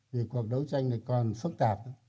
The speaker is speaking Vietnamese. vì cuộc đấu tranh này còn phức tạp